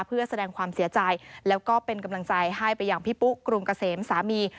เพื่อแสดงความเสียใจแล้วก็เป็นกำลังใจให้ไปอย่างพี่ปุ๊กรุงเกษมสามี